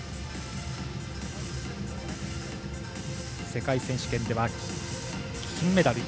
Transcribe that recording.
世界選手権では金メダル。